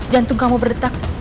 jantung kamu berdetak